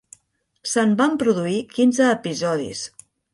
Se'n van produir quinze episodis.